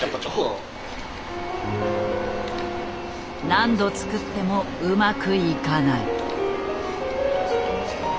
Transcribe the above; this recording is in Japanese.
何度作ってもうまくいかない。